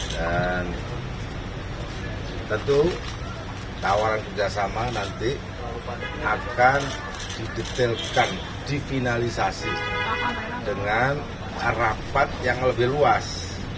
dan tentu tawaran kerjasama nanti akan didetailkan difinalisasi dengan rapat yang lebih luas